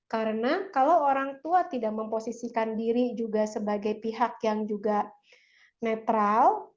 karena kalau orang tua tidak memposisikan diri juga sebagai pihak yang juga netral